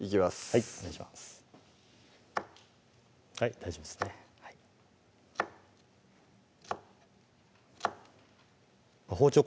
はい大丈夫ですね包丁